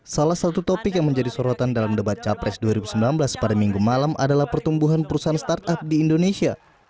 salah satu topik yang menjadi sorotan dalam debat capres dua ribu sembilan belas pada minggu malam adalah pertumbuhan perusahaan startup di indonesia